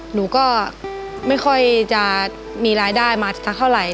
หนูก็ไม่ค่อยจะมีรายได้มาสักเท่าไหร่